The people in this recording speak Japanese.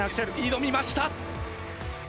挑みました。